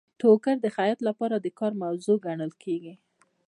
ټوکر د خیاط لپاره د کار موضوع ګڼل کیږي.